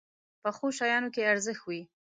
پخو شیانو کې ارزښت وي